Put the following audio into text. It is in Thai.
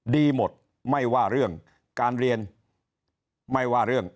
ดีหมดไม่ว่าเรื่องการเรียนไม่ว่าเรื่อง